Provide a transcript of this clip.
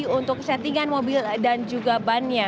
untuk settingan mobil dan juga bannya